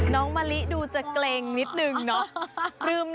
มะลิดูจะเกร็งนิดนึงเนาะ